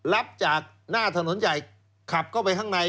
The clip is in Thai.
รับจากหน้าถนนใหญ่ขับเข้าไปข้างใน